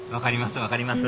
分かります